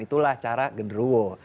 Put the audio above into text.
itulah cara genderuwo